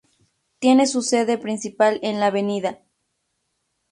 Tiene su sede principal en la Av.